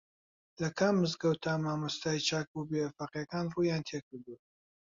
لە کام مزگەوتدا مامۆستای چاک بووبێ فەقێکان ڕوویان تێکردووە